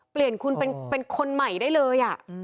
เปลี่ยนคุณเป็นคนใหม่ได้เลย